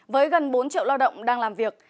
với gần bốn triệu lao động đang làm việc